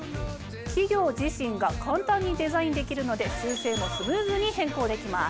企業自身が簡単にデザインできるので修正もスムーズに変更できます。